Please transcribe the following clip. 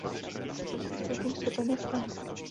Místnosti s plochým stropem je vpravo.